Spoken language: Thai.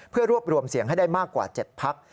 เพื่อรวบรวมเสียงให้ได้มากกว่า๗พัก